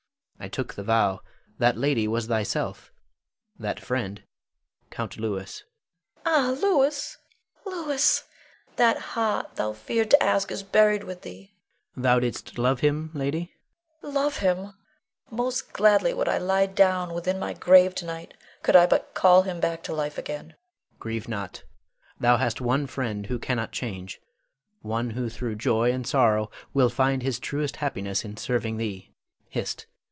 I took the vow: that lady was thyself, that friend Count Louis. Leonore. Ah, Louis! Louis! that heart thou feared to ask is buried with thee. Adrian. Thou didst love him, lady? Leonore. Love him? Most gladly would I lie down within my grave tonight, could I but call him back to life again. Adrian. Grieve not; thou hast one friend who cannot change, one who through joy and sorrow will find his truest happiness in serving thee. Hist!